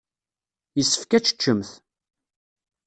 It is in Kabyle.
Yessefk ad teččemt.